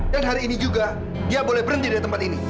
dan hari ini juga dia boleh berhenti di tempat ini